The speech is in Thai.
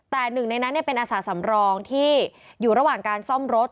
แต่หนึ่งในนั้นเป็นอาสาสำรองที่อยู่ระหว่างการซ่อมรถ